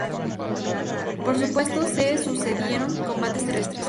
Por supuesto se sucedieron combates terrestres.